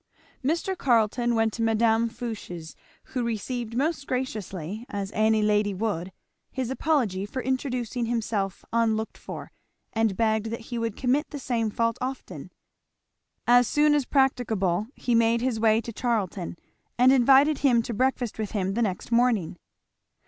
Mr. Carleton went to Mme. Fouché's, who received most graciously, as any lady would, his apology for introducing himself unlooked for, and begged that he would commit the same fault often. As soon as practicable he made his way to Charlton, and invited him to breakfast with him the next morning.